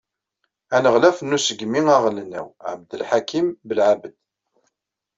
Aneɣlaf n Usegmi aɣelnaw, Abdelḥakim Belεabed.